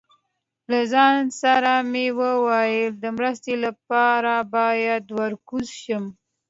له ځان سره مې وویل، د مرستې لپاره یې باید ور کوز شم.